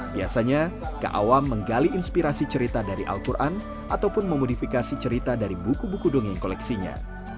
biasanya kak awam menggali inspirasi cerita dari al quran ataupun memodifikasi cerita dari buku buku dongeng koleksinya